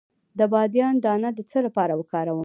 د بادیان دانه د څه لپاره وکاروم؟